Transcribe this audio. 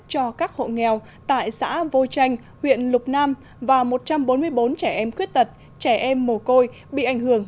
cho các hộ nghèo tại xã vô chanh huyện lục nam và một trăm bốn mươi bốn trẻ em khuyết tật trẻ em mồ côi bị ảnh hưởng